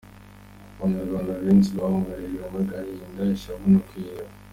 Abanyarwanda benshi bawurangirije mu gahinda, ishavu no kwiheba.